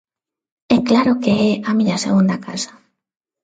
E claro que é a miña segunda casa.